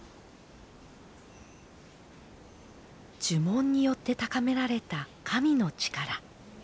呪文によって高められた神の力。